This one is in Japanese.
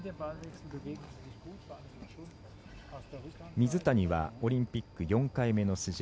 水谷はオリンピック４回目の出場。